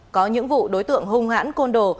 có những vụ đối tượng hung hãn côn đồ